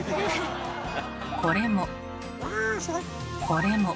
これも。